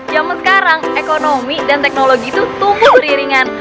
zaman sekarang ekonomi dan teknologi itu tumbuh beriringan